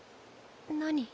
何？